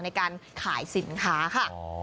ในการขายสินค้าค่ะ